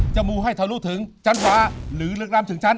มูให้ทะลุถึงชั้นฟ้าหรือลึกล้ำถึงชั้น